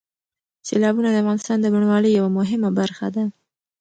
سیلابونه د افغانستان د بڼوالۍ یوه مهمه برخه ده.